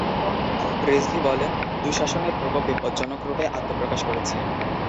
রিজভী বলেন, দুঃশাসনের প্রকোপ বিপজ্জনক রূপে আত্মপ্রকাশ করেছে।